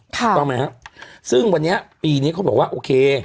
ต้องมั้ยนะครับซึ่งวันนี้ปีนี้เขาบอกว่าโอเค